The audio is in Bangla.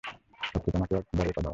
কার্তিক, আমাকে একবার ওটা দাও!